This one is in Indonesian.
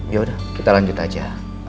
yaudah kita lanjut aja